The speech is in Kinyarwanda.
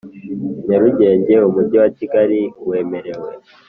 Nyarugenge Umujyi wa Kigali wemerewe